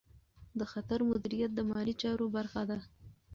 د خطر مدیریت د مالي چارو برخه ده.